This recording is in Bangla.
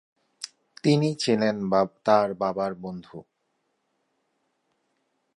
তিনি ছিলেন তার বাবার বন্ধু।